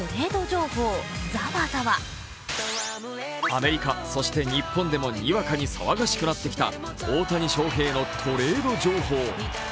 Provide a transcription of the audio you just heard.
アメリカ、そして日本でもにわかに騒がしくなってきた大谷翔平のトレード情報。